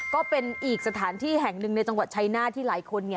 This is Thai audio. ก็เป็นอีกสถานที่แห่งหนึ่งในจังหวัดชัยหน้าที่หลายคน